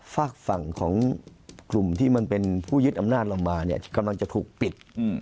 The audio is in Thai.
ฝากฝั่งของกลุ่มที่มันเป็นผู้ยึดอำนาจลงมาเนี่ยกำลังจะถูกปิด